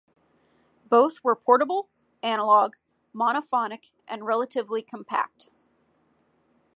Both were portable, analog, monophonic, and relatively compact.